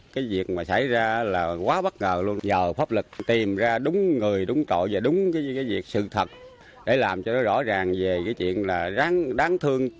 cái việc mà xảy ra là quá bất ngờ luôn giờ pháp lực tìm ra đúng người đúng tội và đúng cái việc sự thật để làm cho nó rõ ràng về cái chuyện là đáng thương